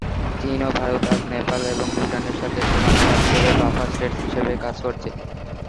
চীন ও ভারত আজ নেপাল এবং ভুটানের সাথে সীমানা ভাগ করে বাফার স্টেটস হিসাবে কাজ করছে।